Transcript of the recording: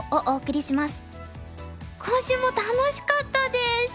今週も楽しかったです！